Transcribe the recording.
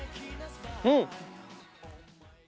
うん！